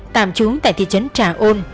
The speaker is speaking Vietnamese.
tạm trúng tại thị trấn trà ôn